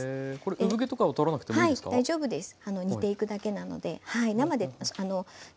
産毛とかを取らなくてもいいですか？